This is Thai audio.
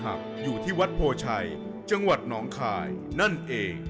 อยู่ที่วัดโพชัยจังหวัดน้องคายนั่นเอง